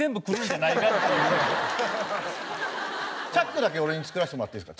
チャックだけ俺に作らせてもらっていいですか？